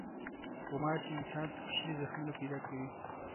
غوماشې انسان ته کوچني زخمونه پیدا کوي.